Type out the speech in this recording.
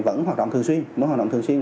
vẫn hoạt động thường xuyên